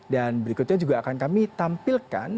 dan berikutnya juga akan kami tampilkan